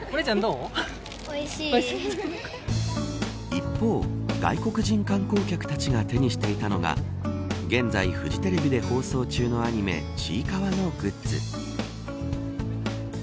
一方、外国人観光客たちが手にしていたのが現在、フジテレビで放送中のアニメちいかわのグッズ。